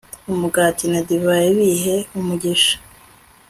umugati na divayi bihe umugisha